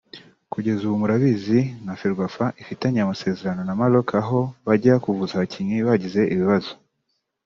Kugeza ubu murabizi nka Ferwafa ifitanye amasezerano na Maroc aho bajya kuvuza abakinnyi bagize ibibazo